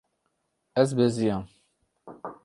Ez beziyam.